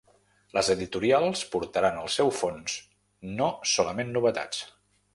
Les editorials portaran el seu fons, no solament novetats.